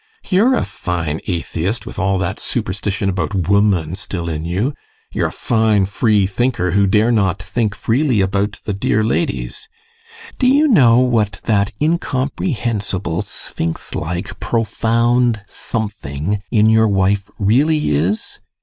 You're a fine atheist, with all that superstition about woman still in you! You're a fine free thinker, who dare not think freely about the dear ladies! Do you know what that incomprehensible, sphinx like, profound something in your wife really is?